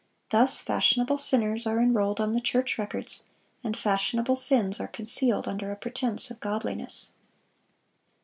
Thus fashionable sinners are enrolled on the church records, and fashionable sins are concealed under a pretense of godliness.